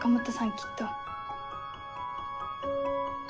きっと。